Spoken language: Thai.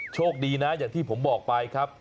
โชคดีนะอย่างที่ผมบอกไปครับ